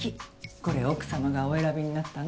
これ奥様がお選びになったの？